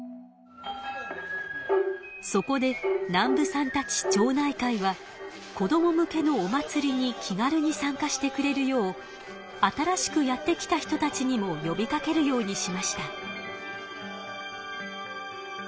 そこで南部さんたち町内会は子ども向けのお祭りに気軽に参加してくれるよう新しくやって来た人たちにもよびかけるようにしました。